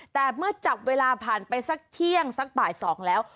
แต่เมื่อจับเวลาผ่านไปสักเที่ยงสักบ่าย๒แล้ว